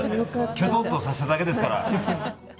きょとんとさせただけですから。